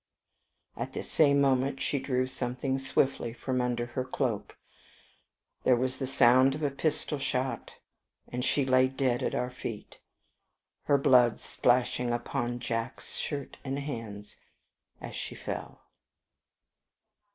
"At the same instant she drew something swiftly from under her cloak, there was the sound of a pistol shot and she lay dead at our feet, her blood splashing upon Jack's shirt and hands as she fell."